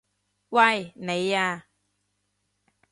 喂！你啊！